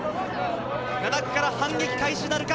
７区から反撃開始なるか。